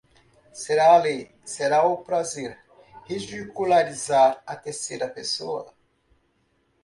Será a lei, será o prazer ridicularizar a terceira pessoa?